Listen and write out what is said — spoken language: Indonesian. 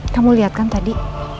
kamu liat kan tadi